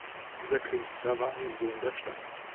Dieser Künstler war ein Sohn der Stadt.